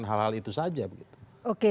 kalau kita terbuka